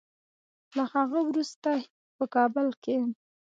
له هغه وروسته هند په کابل کې